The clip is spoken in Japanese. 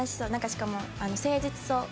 しかも誠実そう。